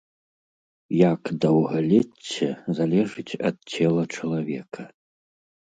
Як даўгалецце залежыць ад цела чалавека?